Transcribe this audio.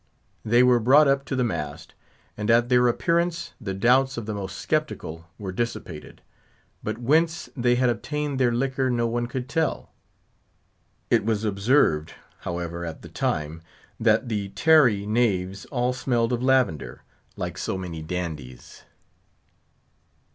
They were brought up to the mast, and at their appearance the doubts of the most skeptical were dissipated; but whence they had obtained their liquor no one could tell. It was observed, however at the time, that the tarry knaves all smelled of lavender, like so many dandies.